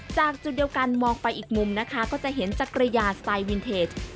จากจุดเดียวกันมองไปอีกมุมนะคะก็จะเห็นจักรยานสไตล์วินเทจ